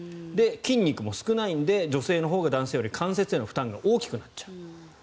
筋肉も少ないので女性のほうが男性より関節の負担が大きくなっちゃう。